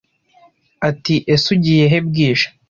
ati ese ugiye he bwije